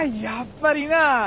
やっぱりな。